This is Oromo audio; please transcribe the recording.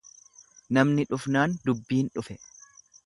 Namni dhufnaan dubbiin dhufe.